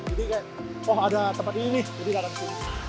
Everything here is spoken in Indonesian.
jadi kayak oh ada tempat ini jadi datang kesini